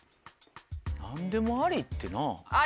何でもありってなぁ。